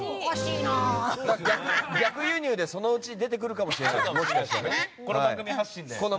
逆輸入でそのうち出てくるかもしれないですね。